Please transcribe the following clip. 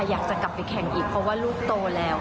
อยากจะกลับไปแข่งอีกเพราะว่าลูกโตแล้ว